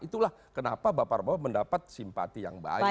itulah kenapa pak prabowo mendapat simpati yang baik